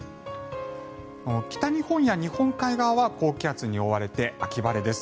北日本や日本海側は高気圧に覆われて秋晴れです。